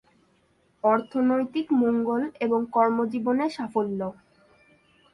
অর্থনৈতিক মঙ্গল এবং কর্মজীবনে সাফল্য।